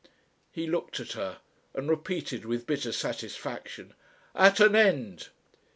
He looked at her and repeated with bitter satisfaction, "At an end."